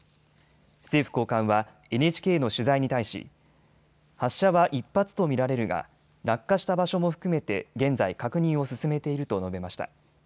政府高官はＮＨＫの取材に対し、発射は１発と見られるが落下した場所も含めて現在、確認を進めていると述べました。